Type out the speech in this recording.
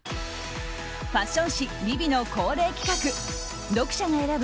ファッション誌「ＶｉＶｉ」の恒例企画読者が選ぶ